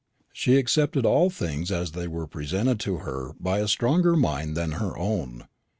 She accepted all things as they were presented to her by a stronger mind than her own.